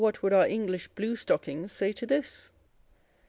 would our Engl^gh bluestockings say to this